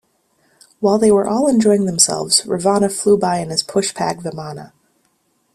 While they were all enjoying themselves, Ravana flew by in his Pushpak Vimana.